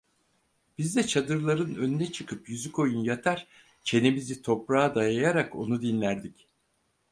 Biz de çadırların önüne çıkıp yüzükoyun yatar, çenemizi toprağa dayayarak onu dinlerdik.